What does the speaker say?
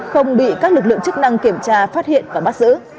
không bị các lực lượng chức năng kiểm tra phát hiện và bắt giữ